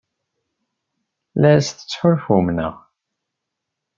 La as-tettḥulfum, naɣ?